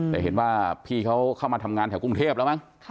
แต่เห็นว่าพี่เขาเข้ามาทำงานแถวกรุงเทพแล้วมั้ง